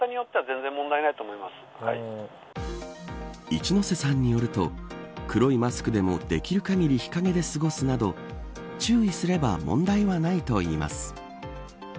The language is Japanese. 一ノ瀬さんによると黒いマスクでもできる限り日陰で過ごすなど注意すれば問題はないといいます。